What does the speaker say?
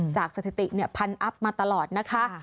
จากสถิติเนี่ยพันอัพมาตลอดนะคะ